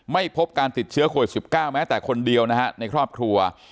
ไม่พบการติดเชื้อโควิด๑๙แม้แต่คนเดียวนะฮะในครอบครัว